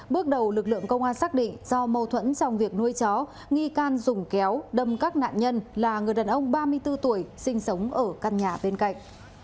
bước đầu lực lượng công an xác định do mâu thuẫn trong việc nuôi chó nghi can dùng kéo đâm các nạn nhân là người đàn ông ba mươi bốn tuổi sinh sống ở căn nhà bên cạnh